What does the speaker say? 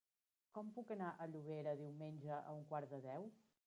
Com puc anar a Llobera diumenge a un quart de deu?